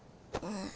うん。